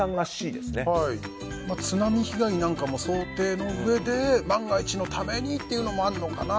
津波被害なども想定のうえで万が一のためにというのもあるのかな。